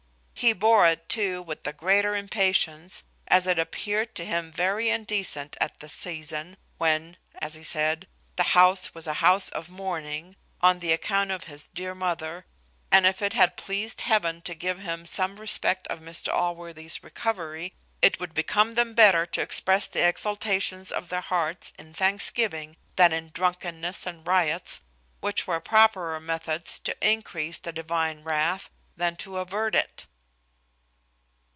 He bore it too with the greater impatience, as it appeared to him very indecent at this season; "When," as he said, "the house was a house of mourning, on the account of his dear mother; and if it had pleased Heaven to give him some prospect of Mr Allworthy's recovery, it would become them better to express the exultations of their hearts in thanksgiving, than in drunkenness and riots; which were properer methods to encrease the Divine wrath, than to avert it."